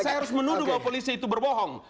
saya harus menuduh bahwa polisi itu berbohong